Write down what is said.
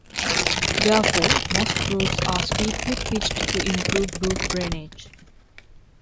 Therefore, most roofs are steeply pitched to improve roof drainage.